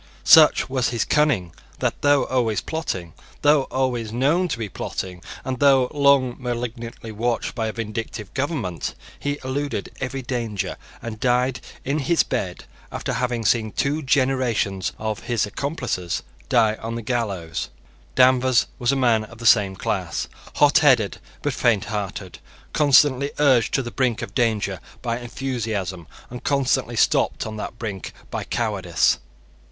Such was his cunning that, though always plotting, though always known to be plotting, and though long malignantly watched by a vindictive government, he eluded every danger, and died in his bed, after having seen two generations of his accomplices die on the gallows. Danvers was a man of the same class, hotheaded, but fainthearted, constantly urged to the brink of danger by enthusiasm, and constantly stopped on that brink by cowardice.